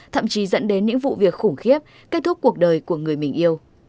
thậm chí dẫn đến những vụ việc khủng khiếp kết thúc cuộc đời của người mình yêu